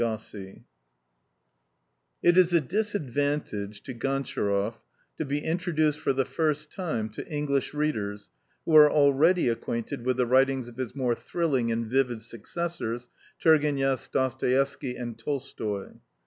PREFACE It is a disadvantage to Gontcharoff to be introduced for the first time to English readers who are already acquainted with the writings of his more thrilling and vivid successors, Tourgenieff, Dostoieffsky and Tolstoi.